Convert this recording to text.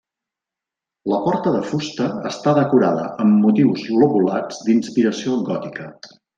La porta de fusta està decorada amb motius lobulats d'inspiració gòtica.